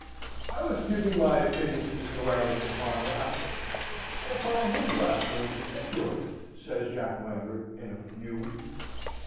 "I was giving my opinion to Mr. Warrington upon laughter, and upon his laughter in particular," says Jack Lambert, in a fume.